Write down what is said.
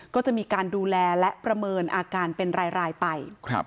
ก็จะมีการดูแลและประเมินอาการเป็นรายไป